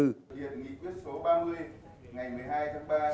nghị quyết số ba mươi ngày một mươi hai tháng ba